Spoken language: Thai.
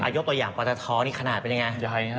ยกตัวอย่างปตทนี่ขนาดเป็นยังไง